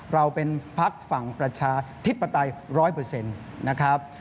เราเป็นภักดิ์ฝั่งประชาทฤษฎัย๑๐๐นะครับ